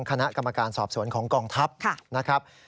คณะกรรมการสอบสวนของกองทัพ